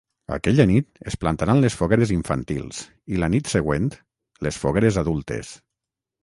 Aquella nit es plantaran les fogueres infantils i, la nit següent, les fogueres adultes.